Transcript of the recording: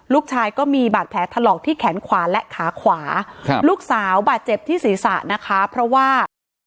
ลูกชายก็มีบาดแผลถลอกที่แขนขวาและขาขวาครับลูกสาวบาดเจ็บที่ศีรษะนะคะเพราะว่า